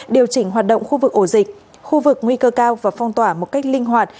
điều chỉnh hoạt động khu vực ổ dịch khu vực nguy cơ cao và phong tỏa một cách linh hoạt